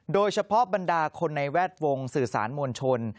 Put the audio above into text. บรรดาคนในแวดวงสื่อสารมวลชน